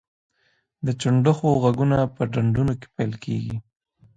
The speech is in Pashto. د چنډخو غږونه په ډنډونو کې پیل کیږي